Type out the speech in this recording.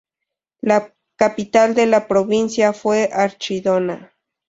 La capital de la provincia fue Archidona.